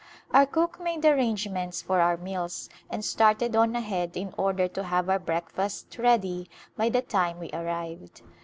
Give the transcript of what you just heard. Our cook made arrangements for our meals and started on ahead in order to have our breakfast ready by the time we arrived.